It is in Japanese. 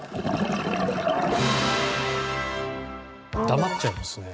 黙っちゃいますね